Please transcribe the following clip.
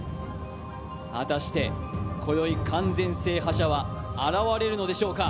果たして、こよい完全制覇者は現れるのでしょうか。